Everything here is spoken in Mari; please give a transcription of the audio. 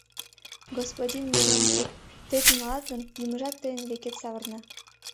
— Господин межомшик, тый тӱҥалат гын, юмыжат тыйын векет савырна.